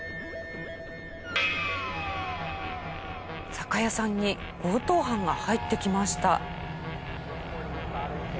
酒屋さんに強盗犯が入ってきました。